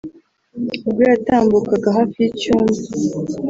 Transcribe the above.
ubwo yatambukaga hafi y’icyumba